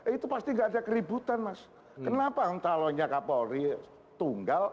itu pasti tidak ada keributan mas kenapa kalau nyakap ori tunggal